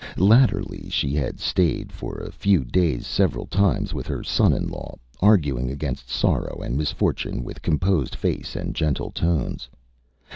Latterly she had stayed for a few days several times with her son in law, arguing against sorrow and misfortune with composed face and gentle tones.